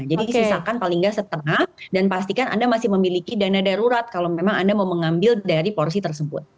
jadi sisakan paling nggak setengah dan pastikan anda masih memiliki dana darurat kalau memang anda mau mengambil dari porsi tersebut